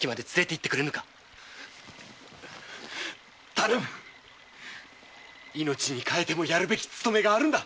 頼む命に代えてもやるべき勤めがあるんだ。